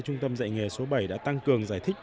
trung tâm dạy nghề số bảy đã tăng cường giải thích